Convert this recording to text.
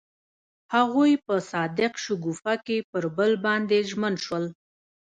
هغوی په صادق شګوفه کې پر بل باندې ژمن شول.